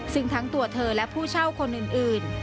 ซึ่งทั้งตัวเธอและผู้เช่าคนอื่น